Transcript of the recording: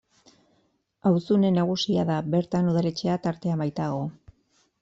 Auzune nagusia da, bertan udaletxea tartean baitago.